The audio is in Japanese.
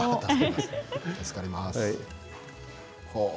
助かります。